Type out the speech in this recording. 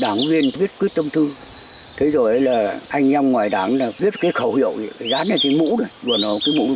đảng viên viết quyết tâm thư thế rồi là anh nhóm ngoại đảng viết cái khẩu hiệu dán lên cái mũ này